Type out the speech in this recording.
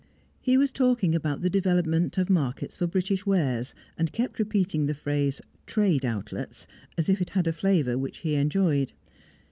He was talking about the development of markets for British wares, and kept repeating the phrase "trade outlets," as if it had a flavour which he enjoyed.